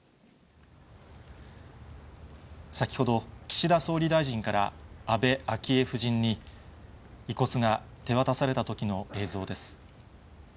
先ほど、岸田総理大臣から安倍昭恵夫人に遺骨が手渡されたときの映像です。